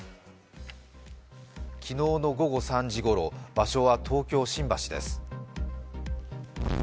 昨日の午後３時ごろ、場所は東京・新橋です。